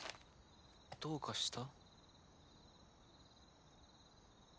どうかした？